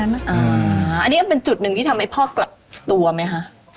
อันนี้เป็นจุดหนึ่งที่ทำให้พ่อกลับตัวไหมคะ